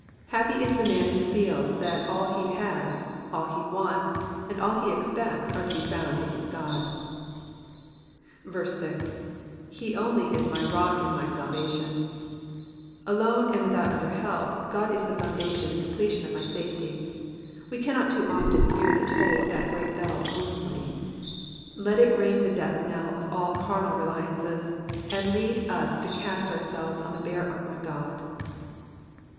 Happy is the man who feels that all he has, all he wants, and all he expects are to be found in his God. 6. jHJ! only is my rock and my salvation,^'' Alone, and without other help, God is the foundation and completion of my safety. We cannot too often hear the toll of that great bell only ; let it ring the death knell of all carnal reliances, and lead us to cast ourselves on the bare arm of God.